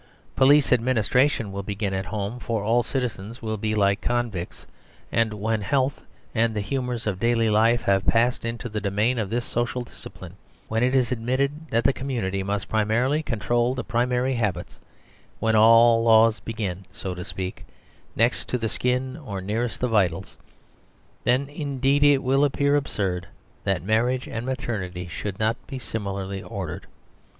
Police administration will begin at home, for all citizens will be like convicts. And when health and the humours of daily life have passed into the domain of this social discipline, when it is admitted that the community must primarily control the primary habits, when all law begins, so to speak, next to the skin or nearest the vitals then indeed it will appear absurd that marriage and maternity should not be similarly ordered.